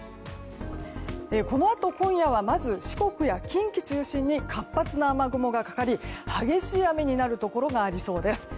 このあと今夜はまず四国や近畿中心に活発な雨雲がかかり激しい雨になるところがありそうです。